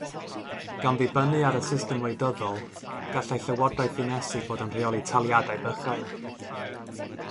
Gan ddibynnu ar y system wleidyddol, gallai llywodraeth ddinesig fod yn rheoli taliadau bychain.